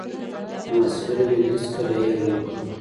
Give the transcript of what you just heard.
د محصلینو مينه هېڅ کله هېره نه کړم.